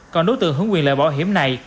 còn đối tượng hướng quyền loại bảo hiểm này